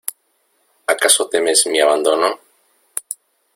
¿ acaso temes mi abandono?